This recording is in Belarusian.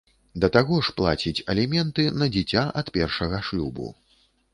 Да таго ж, плаціць аліменты на дзіця ад першага шлюбу.